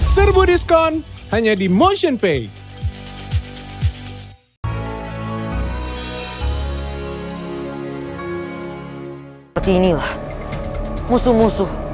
serbu diskon hanya di motionpay